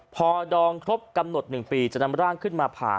พอดองครบกำหนด๑ปีจะนำร่างขึ้นมาผ่า